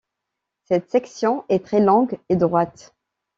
Cette section est très longue et droite.